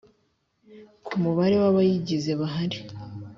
Ku mubare w abayigize bahari